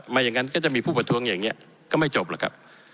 ไม่อย่างงั้นก็จะมีผู้ประทุกข์อย่างเงี้ยก็ไม่จบหรอกครับ